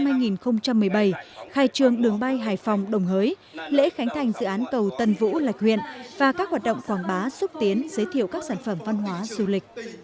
trong năm hai nghìn một mươi bảy khai trường đường bay hải phòng đồng hới lễ khánh thành dự án cầu tân vũ lạch huyện và các hoạt động quảng bá xúc tiến giới thiệu các sản phẩm văn hóa du lịch